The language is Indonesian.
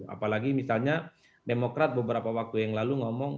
apalagi misalnya demokrat beberapa waktu yang lalu ngomong